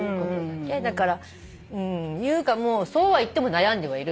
だから優香もそうはいっても悩んではいる。